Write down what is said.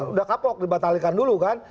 udah kapok dibatalkan dulu kan